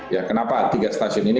ya kenapa tiga stasiun ini